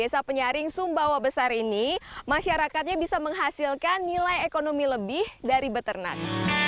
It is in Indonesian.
desa penyaring sumbawa besar ini masyarakatnya bisa menghasilkan nilai ekonomi lebih dari beternak